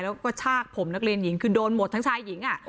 แล้วก็ชากผมนักเรียนหญิงคือโดนหมดทั้งชายหญิง